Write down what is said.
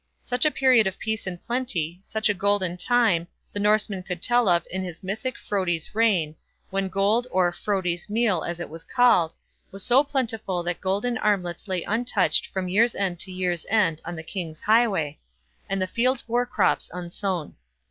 Such a period of peace and plenty, such a golden time, the Norseman could tell of in his mythic Frodi's reign, when gold or Frodi's meal, as it was called, was so plentiful that golden armlets lay untouched from year's end to year's end on the king's highway, and the fields bore crops unsown.